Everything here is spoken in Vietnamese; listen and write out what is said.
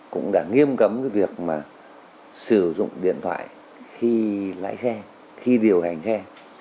cũng đã nghiêm cấm cái việc mà sử dụng điện thoại khi lái xe khi điều hành xe